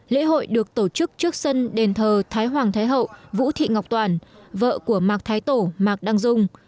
lễ hội được tổ chức trước sân đền thờ thái hoàng thái hậu vũ thị ngọc toàn vợ của mạc thái tổ mạc đăng dung